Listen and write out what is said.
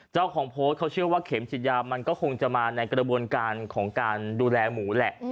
เจ้าของโพสต์เขาเชื่อว่าเข็มฉีดยามันก็คงจะมาในกระบวนการของการดูแลหมูแหละ